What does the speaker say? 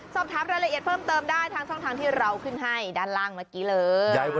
สอบถามรายละเอียดเพิ่มเติมได้ทางช่องทางที่เราขึ้นให้ด้านล่างเมื่อกี้เลย